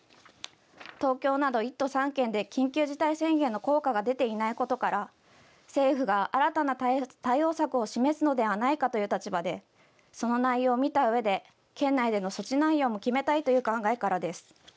東京など１都３県で緊急事態宣言の効果が出ていないことから政府が新たな対応策を示すのではないかという立場でその内容を見たうえで県内での措置内容も決めたいという考えからです。